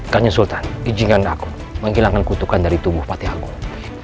tanya sultan izinkan aku menghilangkan kutukan dari tubuh pati agung